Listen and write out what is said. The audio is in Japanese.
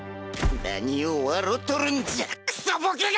何を笑っとるんじゃクソボケが！